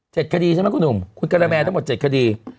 คดีใช่ไหมคุณหนุ่มคุณกะละแมทั้งหมดเจ็ดคดี